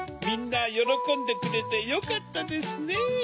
みんなよろこんでくれてよかったですねぇ。